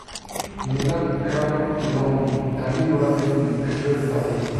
நிலப் பிரபுத்துவமும் தனியுடைமையும் பெற்றெடுத்தவை.